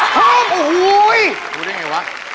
กูเรียกยังไงวะ